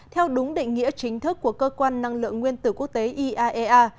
theo đúng định nghĩa chính thức của cơ quan năng lượng nguyên tử quốc tế iaea